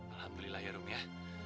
alhamdulillah ya rum ya